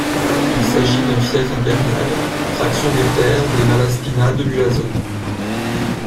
Il s'agit d'un fief impérial, fraction des terres des Malaspina de Mulazzo.